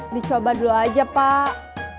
dicoba dulu aja pak